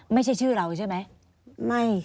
ไม่ใช่ชื่อเราใช่ไหม